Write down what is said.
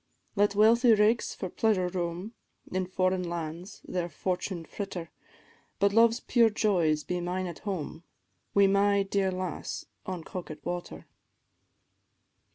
"Let wealthy rakes for pleasure roam, In foreign lands their fortune fritter; But love's pure joys be mine at home, Wi' my dear lass on Coquet water.